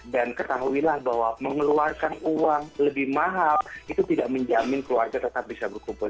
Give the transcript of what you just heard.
ketahuilah bahwa mengeluarkan uang lebih mahal itu tidak menjamin keluarga tetap bisa berkumpul